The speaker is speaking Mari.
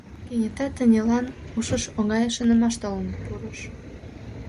Кенета Танилан ушыш оҥай шонымаш толын пурыш.